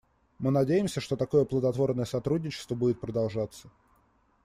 Мы надеемся, что такое плодотворное сотрудничество будет продолжаться.